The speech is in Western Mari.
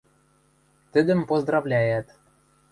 Тӹдӹм поздравляят.